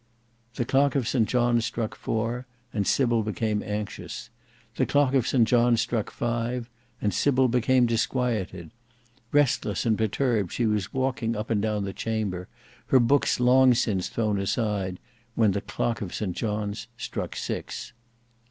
The clock of St John's struck four, and Sybil became anxious; the clock of St John's struck five, and Sybil became disquieted; restless and perturbed, she was walking up and down the chamber, her books long since thrown aside, when the clock of St John's struck six.